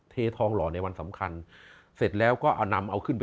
เททองหล่อในวันสำคัญเสร็จแล้วก็เอานำเอาขึ้นไป